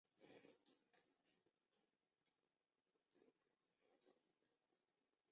你别瞎说，我和他只是朋友